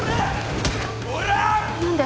何で！？